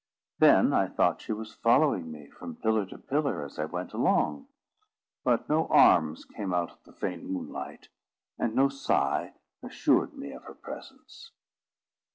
Then I thought she was following me from pillar to pillar as I went along; but no arms came out of the faint moonlight, and no sigh assured me of her presence.